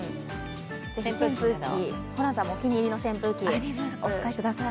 扇風機、ホランさんもお気に入りの扇風機お使いください。